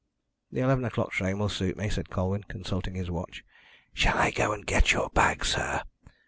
"The eleven o'clock train will suit me," said Colwyn, consulting his watch. "Shall I go and get your bag, sir?"